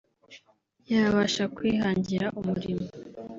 yabasha kwihangira umurimo